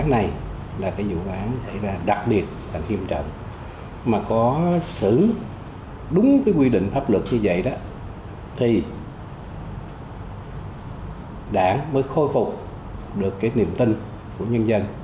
nó xử đúng cái quy định pháp luật như vậy đó thì đảng mới khôi phục được cái niềm tin của nhân dân